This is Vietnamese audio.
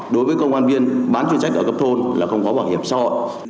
đối với công an viên bán chuyên trách ở cấp thôn là không có bảo hiểm so ở